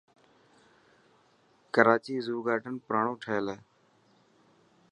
ڪراچي زو گارڊن پراڻو ٺهيل هي.